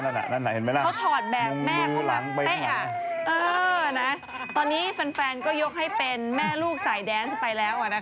มือหลังไปเหมือนกันนะครับเออนะตอนนี้ฟันฟันก็ยกให้เป็นแม่ลูกสายแดนซ์ไปแล้วอ่ะนะคะ